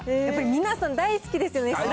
やっぱり皆さん大好きですよね？